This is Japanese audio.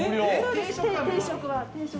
定食は。